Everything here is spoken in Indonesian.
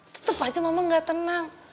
tetep aja mama gak tenang